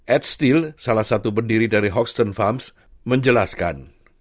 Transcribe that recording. ed steele salah satu pendiri dari hoxton farms menjelaskan